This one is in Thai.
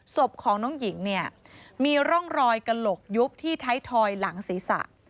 สมของน้องหญิงมีร่องรอยกระหลกยุบที่ไททอยหลังศีรษะ